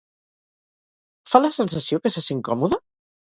Fa la sensació que se sent còmode?